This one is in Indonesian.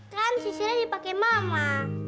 kan sisirnya dipakai mama